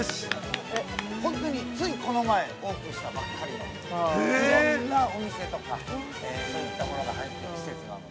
本当に、ついこの前オープンしたばっかりのいろんなお店とかそういったものが入っている施設なので。